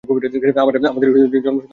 আমাদের জাসয়োন্দারই বেস্ট।